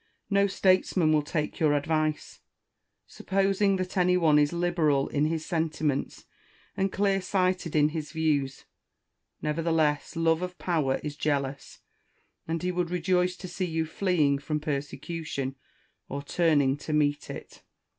No statesman will take your advice. Supposing that any one is liberal in his sentiments and clear sighted in his views, nevertheless love of power is jealous, and he would rejoice to see you fleeing from persecution or turning to meet it.